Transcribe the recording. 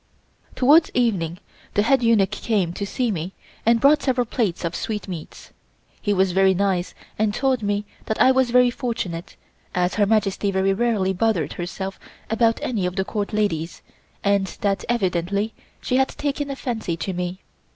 Towards evening the head eunuch came to see me and brought several plates of sweetmeats. He was very nice, and told me that I was very fortunate, as Her Majesty very rarely bothered herself about any of the Court ladies and that evidently she had taken a fancy to me.